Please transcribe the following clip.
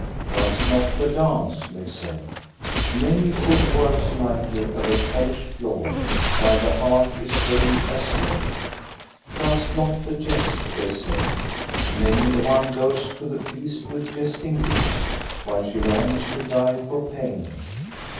" Trust not the dance," they said. " Many a foot whirls lightly over polished floor, while the heart is heavy as lead." " Trust not the jest," they said. " Many a one goes to the feast with jesting lips, while she longs to die for pain."